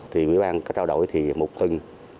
thì ủy ban có trao đổi thì một tuần